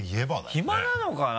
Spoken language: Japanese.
暇なのかな？